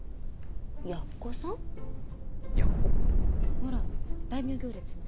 ほら大名行列の。